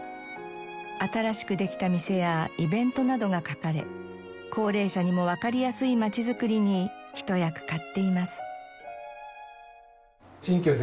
新しくできた店やイベントなどが書かれ高齢者にもわかりやすい街づくりに一役買っています。